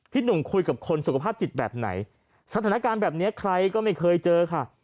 หนุ่มคุยกับคนสุขภาพจิตแบบไหนสถานการณ์แบบนี้ใครก็ไม่เคยเจอค่ะ